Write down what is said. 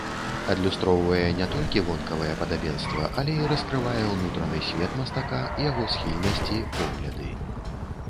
Адлюстроўвае не толькі вонкавае падабенства, але і раскрывае ўнутраны свет мастака, яго схільнасці, погляды.